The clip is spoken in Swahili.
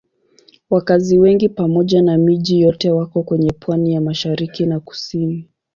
Wakazi wengi pamoja na miji yote wako kwenye pwani ya mashariki na kusini.